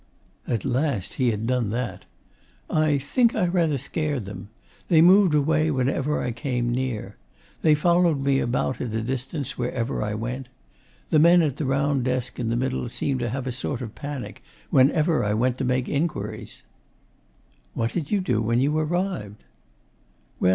At last he had done that! 'I think I rather scared them. They moved away whenever I came near. They followed me about at a distance, wherever I went. The men at the round desk in the middle seemed to have a sort of panic whenever I went to make inquiries.' 'What did you do when you arrived?